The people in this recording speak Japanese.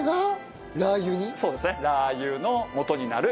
そうですね。